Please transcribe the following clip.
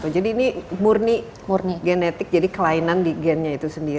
jadi ini murni genetik jadi kelainan di gennya itu sendiri